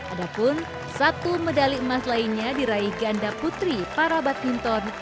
adapun satu medali emas lainnya diraih ganda putri para badminton